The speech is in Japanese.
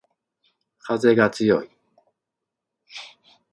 かぜがつよい